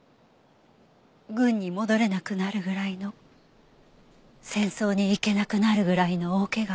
軍に戻れなくなるぐらいの戦争に行けなくなるぐらいの大怪我を。